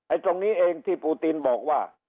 ตรงนี้เองที่ปูตินบอกว่า